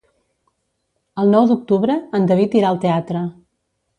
El nou d'octubre en David irà al teatre.